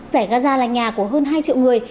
rải gaza là nhà của hơn hai triệu người